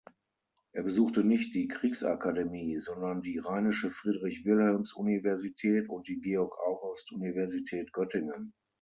Er besuchte nicht die Kriegsakademie, sondern die Rheinische Friedrich-Wilhelms-Universität und die Georg-August-Universität Göttingen.